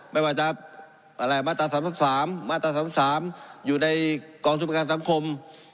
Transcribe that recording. ไม่ว่าจะอะไรมาตรา๓๓มาตรา๓๓อยู่ในกองทุนประกันสังคม